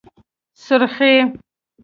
💄سورخي